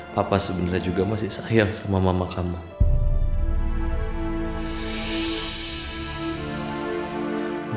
papa sebenarnya juga masih sayang sama mama kamu